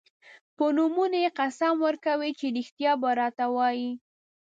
په نومونو یې قسم ورکوي چې رښتیا به راته وايي.